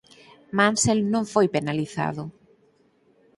Mansell non foi penalizado.